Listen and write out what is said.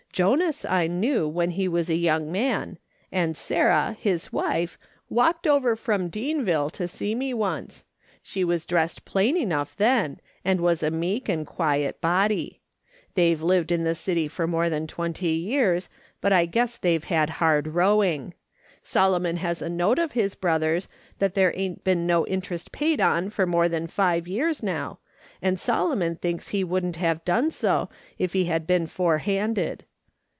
Jonas, I knew, when he was a young man, and Sarah, his v^ife, walked over from Dean ville to see me once ; slie was dressed plain enough then, and was a meek and quiet body. They've lived in the city for more than twenty years, but I guess they've had hard rowing. Solomon has a note of his brother's that there ain't been no interest paid on for more than five years now ; and Solomon thinks he wouldn't have done so, if he had been forehanded.